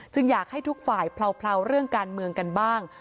อยากให้ทุกฝ่ายเผลาเรื่องการเมืองกันบ้าง